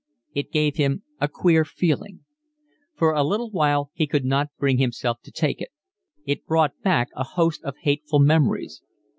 It gave him a queer feeling. For a little while he could not bring himself to take it. It brought back a host of hateful memories.